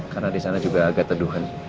karena disana juga agak teduhan